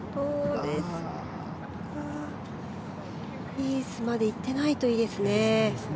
ヒースまで行ってないといいですね。